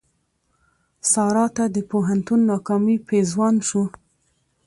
سارا ته د پوهنتون ناکامي پېزوان شو.